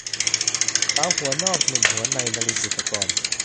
สาวหัวนอกหนุ่มหัวใน - นลิน บุษกร